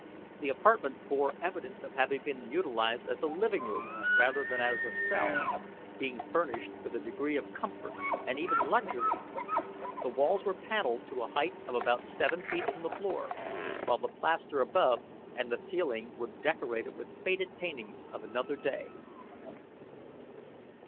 The apartment bore evidence of having been utilized as a living room rather than as a cell, being furnished with a degree of comfort and even luxury. The walls were paneled to a height of about seven feet from the floor, while the plaster above and the ceiling were decorated with faded paintings of another day.